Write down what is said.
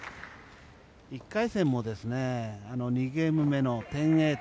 １回戦も２ゲーム目の１０対８